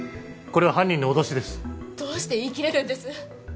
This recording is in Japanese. これは犯人の脅しですどうして言い切れるんです？